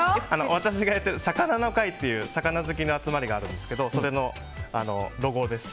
私がやってるさかなの会という魚好きの集まりがあるんですけどそれのロゴです。